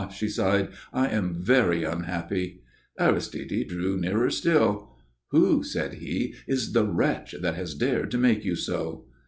she sighed. "I am very unhappy." Aristide drew nearer still. "Who," said he, "is the wretch that has dared to make you so?"